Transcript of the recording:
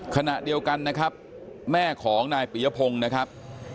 ขณะเดียวกันนะครับแม่ของนายปียพงศ์นะครับ